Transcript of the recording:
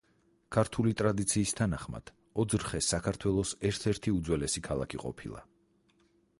ქართული ტრადიციის თანახმად, ოძრხე საქართველოს ერთ-ერთი უძველესი ქალაქი ყოფილა.